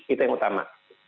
itu yang utama